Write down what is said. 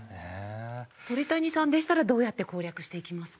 鳥谷さんでしたらどうやって攻略していきますか？